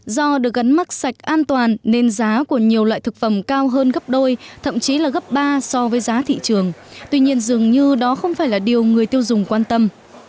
do được gắn mắt sạch an toàn nên giá của nhiều loại thực phẩm cao hơn gấp đôi thậm chí là gấp ba so với giá thị trường tuy nhiên dường như đó không phải là điều người tiêu dùng quan tâm